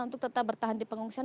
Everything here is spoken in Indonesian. untuk tetap bertahan di pengungsian